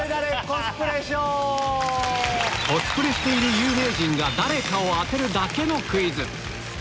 コスプレしている有名人が誰かを当てるだけのクイズ